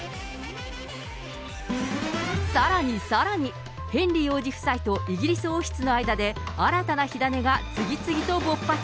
さらにさらに、ヘンリー王子夫妻とイギリス王室の間で、新たな火種が次々と勃発。